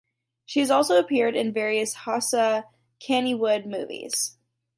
She has also appeared in various Hausa Kannywood movies.